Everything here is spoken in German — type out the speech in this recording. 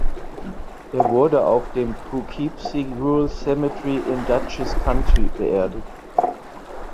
Er wurde auf dem Poughkeepsie Rural Cemetery im Dutchess County beerdigt.